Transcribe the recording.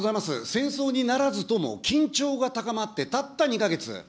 戦争にならずとも緊張が高まってたった２か月。